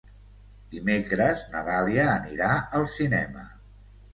Dimecres na Dàlia anirà al cinema.